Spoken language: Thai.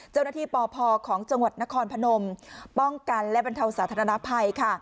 เจ้าหน้าที่ปพของจังหวัดนครพนมป้องกันและบรรเทาสาธารณภัย